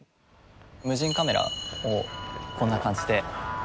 無人カメラをこんな感じで。